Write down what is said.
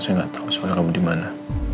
saya gak tahu soal kamu dimana